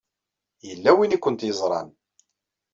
Yella win ay kent-yeẓran.